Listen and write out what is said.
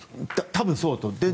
多分そうだと。